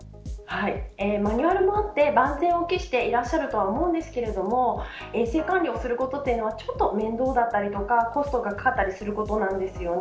マニュアルもあって万全を期していらっしゃるとは思うんですけれども衛生管理をすることはちょっと面倒だったりとかコストがかかったりすることなんですよね。